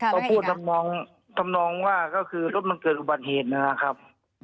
ก็พูดทำนองว่าก็คือรถมันเกิดอุบัติเหตุนะครับ